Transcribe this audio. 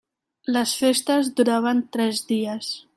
Les festes duraven tres dies.